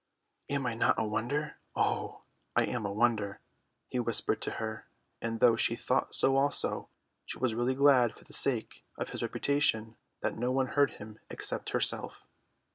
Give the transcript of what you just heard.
"Am I not a wonder, oh, I am a wonder!" he whispered to her, and though she thought so also, she was really glad for the sake of his reputation that no one heard him except herself.